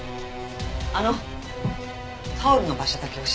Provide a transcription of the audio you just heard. あのタオルの場所だけ教えてもらえます？